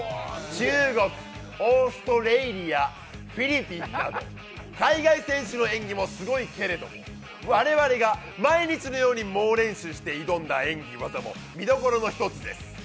中国、オーストラリア、フィリピンなど、海外選手の演技もすごいけれども我々が毎日のようにもう練習して演技、技も見どころの１つです。